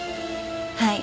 はい。